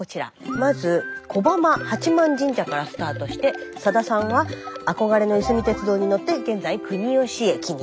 まず小浜八幡神社からスタートしてさださんは憧れのいすみ鉄道に乗って現在国吉駅に。